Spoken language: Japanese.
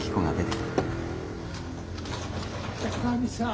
・おかみさん。